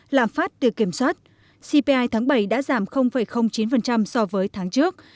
lạm phát được kiểm soát cpi tháng bảy đã giảm chín so với tháng trước